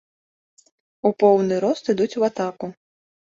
У поўны рост ідуць у атаку.